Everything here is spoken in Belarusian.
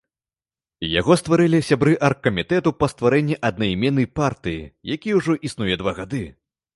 Яго стварылі сябры аргкамітэту па стварэнні аднайменнай партыі, які ўжо існуе два гады.